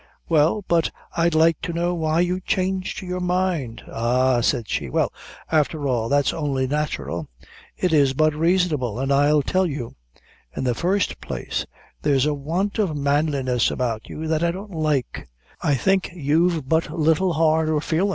"Well, but I'd like to know why you changed your mind." "Ah," said she; "well, afther all, that's only natural it is but raisonable; an' I'll tell you; in the first place, there's a want of manliness about you that I don't like I think you've but little heart or feelin'.